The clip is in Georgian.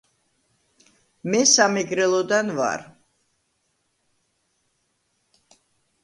მე სამეგრელოდან ვარ.